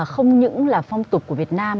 không những là phong tục của việt nam